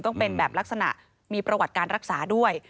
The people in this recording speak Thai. ต้องเป็นแบบลักษณะมีประวัติการรักษาด้วย